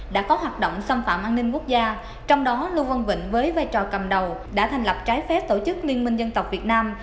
đã có hoạt động xâm phạm an ninh quốc gia trong đó lưu văn vĩnh với vai trò cầm đầu đã thành lập trái phép tổ chức liên minh dân tộc việt nam